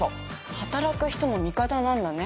働く人の味方なんだね。